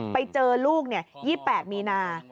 ไปเจอลูกเนี่ย๒๘มีนา